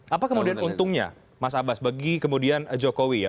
apa kemudian untungnya mas abbas bagi kemudian jokowi ya